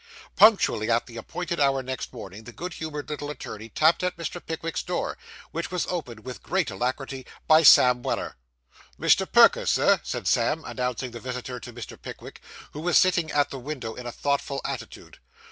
Punctually at the appointed hour next morning, the good humoured little attorney tapped at Mr. Pickwick's door, which was opened with great alacrity by Sam Weller. 'Mr. Perker, sir,' said Sam, announcing the visitor to Mr. Pickwick, who was sitting at the window in a thoughtful attitude.